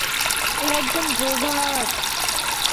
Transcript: ও একজন ড্রোভার।